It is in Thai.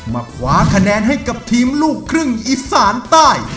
มาคว้าคะแนนให้กับทีมลูกครึ่งอีสานใต้